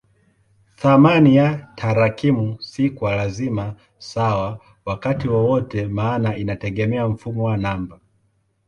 Thamani ya tarakimu si kwa lazima sawa wakati wowote maana inategemea mfumo wa namba.